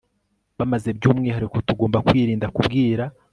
bamaze by umwihariko tugomba kwirinda kubwira